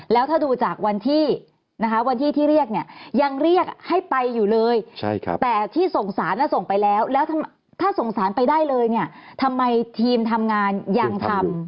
แล้วถ้าดูจากวันที่นะคะวันที่ที่เรียกเนี่ยยังเรียกให้ไปอยู่เลยแต่ที่ส่งสารส่งไปแล้วแล้วถ้าส่งสารไปได้เลยเนี่ยทำไมทีมทำงานยังทำ